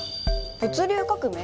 物流革命？